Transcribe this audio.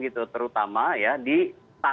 terutama di tatapnya